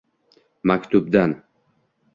Maktubdan